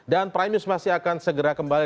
dan prime news masih akan segera kembali